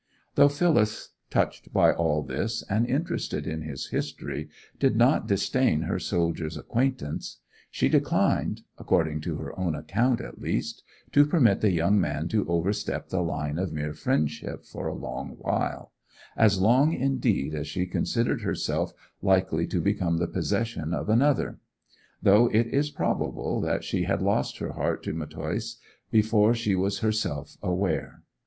Though Phyllis, touched by all this, and interested in his history, did not disdain her soldier's acquaintance, she declined (according to her own account, at least) to permit the young man to overstep the line of mere friendship for a long while—as long, indeed, as she considered herself likely to become the possession of another; though it is probable that she had lost her heart to Matthäus before she was herself aware.